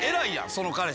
その彼氏。